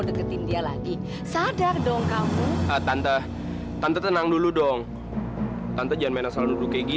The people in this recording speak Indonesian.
bukan yang mau jengukin mbak dewi